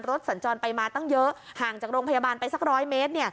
สัญจรไปมาตั้งเยอะห่างจากโรงพยาบาลไปสัก๑๐๐เมตร